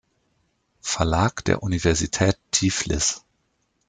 Verlag der Universität Tiflis.